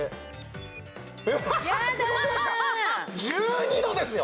１２度ですよ！